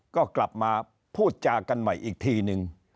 ก็กลับมาพูดจากันใหม่อีกทีนึง